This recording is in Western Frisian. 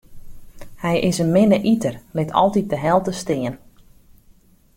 Hy is in minne iter, lit altyd de helte stean.